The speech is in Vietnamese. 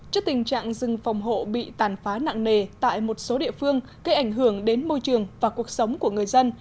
trước tình trạng rừng phòng hộ bị tàn phá nặng nề tại một số địa phương gây ảnh hưởng đến môi trường và cuộc sống của người dân